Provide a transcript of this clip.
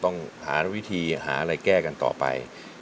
ต้องช่วยกันต่อไป